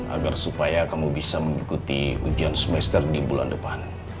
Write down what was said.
agar supaya kamu bisa mengikuti ujian semester di bulan depan